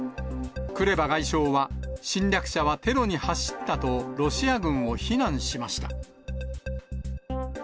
クレバ外相は、侵略者はテロに走ったとロシア軍を非難しました。